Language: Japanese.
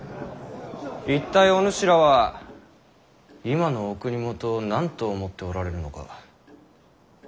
一体お主らは今のお国元を何と思っておられるのか？